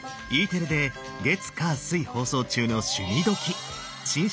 Ｅテレで月火水放送中の「趣味どきっ！」。